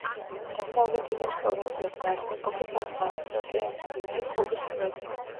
დასავლეთიდან პროვინციას გარს ეკვრის ატლანტის ოკეანის გვინეის ყურის წყლები.